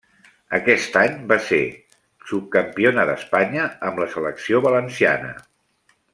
Aquest any va ser subcampiona d'Espanya amb la Selecció Valenciana.